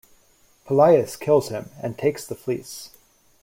Pelias kills him and takes the Fleece.